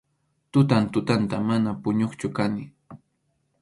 Tutan tutanta, mana puñuqchu kani.